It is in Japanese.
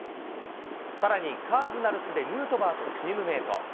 さらに、カージナルスでヌートバーとチームメート。